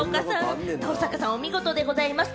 登坂さん、お見事でございました。